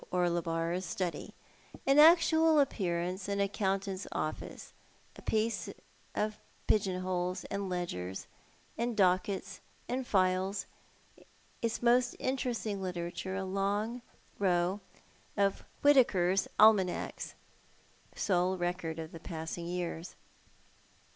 Orlebar's study; " in actual appearance, an accountant's office, a place of pigeon holes, and ledgers, and dockets, and files, its most interesting literature a long row of Wiiitaker's Almanacks, solo record of the passing years.